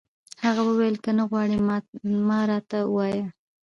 هغه وویل: که نه غواړي، مه راته وایه.